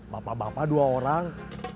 bapak bapak dua orang